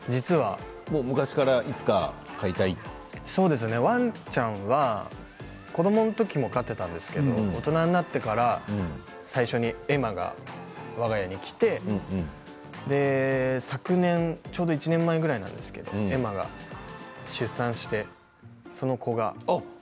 昔からワンちゃん、子どものころに飼っていたんですが大人になってから最初にエマがわが家に来て昨年、１年前ぐらいなんですけどエマが出産してその子が。